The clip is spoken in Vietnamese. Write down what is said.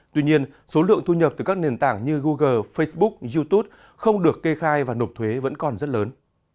tuy nhiên số lượng thu nhập từ các nền tảng như google facebook youtube không được kê khai và nộp thuế vẫn còn rất lớn